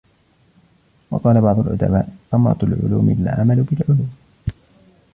وَقَالَ بَعْضُ الْأُدَبَاءِ ثَمَرَةُ الْعُلُومِ الْعَمَلُ بِالْعُلُومِ